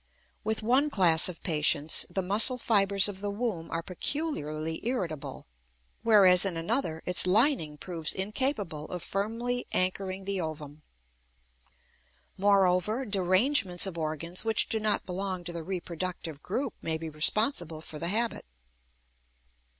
With one class of patients the muscle fibers of the womb are peculiarly irritable, whereas in another its lining proves incapable of firmly anchoring the ovum. Moreover, derangements of organs which do not belong to the reproductive group may be responsible for the habit.